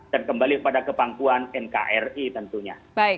dan kembali pada kepangkuan nkri tentunya